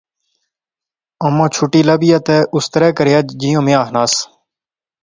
اماں چٹھی لبیا تے اس طرح کریا جیاں میں آخنیس